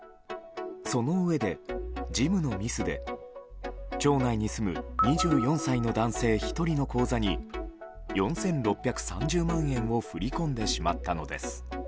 そのうえで、事務のミスで町内に住む２４歳の男性１人の口座に４６３０万円を振り込んでしまったのです。